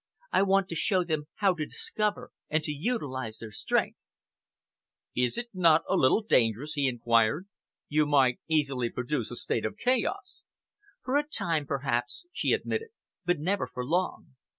I want to show them how to discover and to utilise their strength." "Is not that a little dangerous?" he enquired. "You might easily produce a state of chaos." "For a time, perhaps," she admitted, "but never for long.